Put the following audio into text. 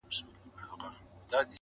• په تور خلوت کي له هانه ګوښه -